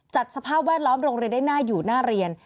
สภาพแวดล้อมโรงเรียนได้น่าอยู่น่าเรียน